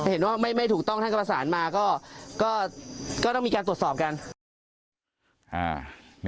เห็นว่าไม่ไม่ถูกต้องท่านก็มาสามาก่อก็ก็ต้องมีการตรวจสอบกัน